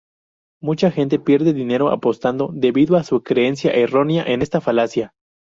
Mucha gente pierde dinero apostando debido a su creencia errónea en esta falacia.